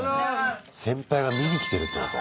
先輩が見に来てるってこと？